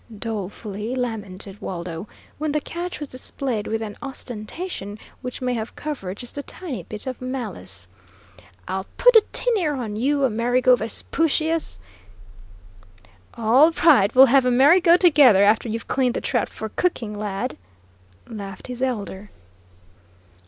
dolefully lamented Waldo, when the catch was displayed with an ostentation which may have covered just a tiny bit of malice. "I'll put a tin ear on you, Amerigo Vespucius!" "All right; we'll have a merry go together, after you've cleaned the trout for cooking, lad," laughed his elder.